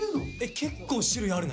結構種類あるね。